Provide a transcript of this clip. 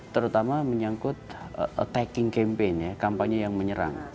terutama menyangkut attacking campaign ya kampanye yang menyerang